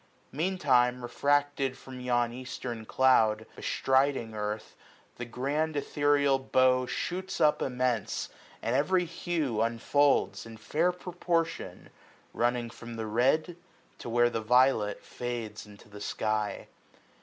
Mean time refracted from yon eastern cloud. Bestriding earth, the grand etherial bow Shoots up immense ; and every hue unfolds, In fair proportion, running from the red, 205 To where the violet fades into the sky.